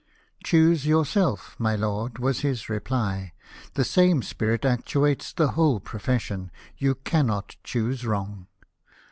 " Choose yourself, my lord," was his reply ;" the same spirit actuates the whole profession ; you cannot choose wrong."